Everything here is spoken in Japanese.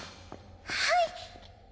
はい！